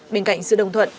bên cạnh sự đồng thuận